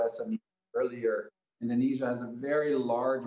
sebelumnya indonesia memiliki